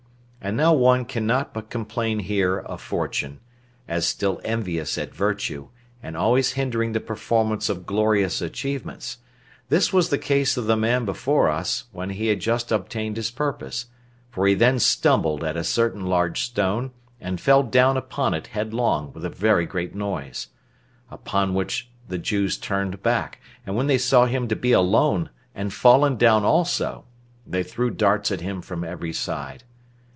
And now one cannot but complain here of fortune, as still envious at virtue, and always hindering the performance of glorious achievements: this was the case of the man before us, when he had just obtained his purpose; for he then stumbled at a certain large stone, and fell down upon it headlong, with a very great noise. Upon which the Jews turned back, and when they saw him to be alone, and fallen down also, they threw darts at him from every side.